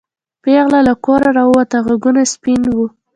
پېغله له کوره راووته غوږونه سپین وو.